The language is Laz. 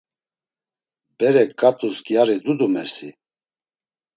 Berek ǩat̆us gyari dudumersi?